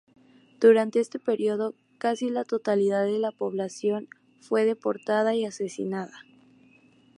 Durante ese periodo, casi la totalidad de la población judía fue deportada y asesinada.